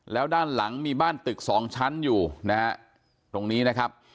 แล้วด้านหลังมีบ้านตึกสองชั้นอยู่นะฮะตรงนี้นะครับ